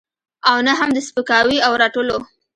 او نه هم د سپکاوي او رټلو.